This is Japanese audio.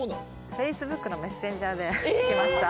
フェイスブックのメッセンジャーで来ました。